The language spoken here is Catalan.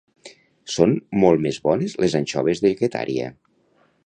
Són molt més bones les anxoves de Getaria